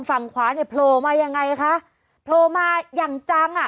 ฝั่งขวาเนี่ยโผล่มายังไงคะโผล่มาอย่างจังอ่ะ